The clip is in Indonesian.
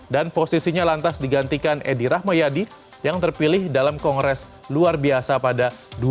dan posisinya lantas digantikan edi rahmayadi yang terpilih dalam kongres luar biasa pada dua ribu enam belas